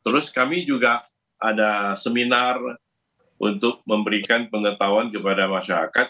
terus kami juga ada seminar untuk memberikan pengetahuan kepada masyarakat